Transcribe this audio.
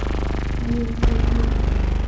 还有一些记录